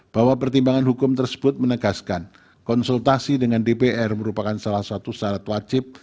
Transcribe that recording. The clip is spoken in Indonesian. bahwa pertimbangan hukum tersebut menegaskan konsultasi dengan dpr merupakan salah satu syarat wajib